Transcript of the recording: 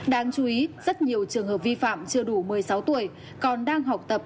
đáng chú ý rất nhiều trường hợp vi phạm chưa đủ một mươi sáu tuổi còn đang học tập